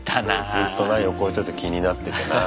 ずっとな横置いといて気になっててな。